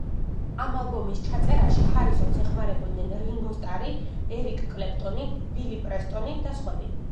ამ ალბომის ჩაწერაში ჰარისონს ეხმარებოდნენ: რინგო სტარი, ერიკ კლეპტონი, ბილი პრესტონი და სხვები.